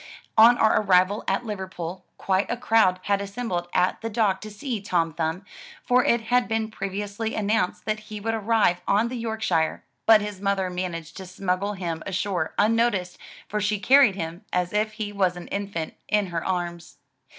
On our arrival at Liverpool, quite a crowd had assembled at the dock to see Tom Thumb, for it had been previously announced that he would arrive on the Yorkshire^ but his mother managed to smuggle him ashore unnoticed, for she carried him, as if he was an infant, in her arms.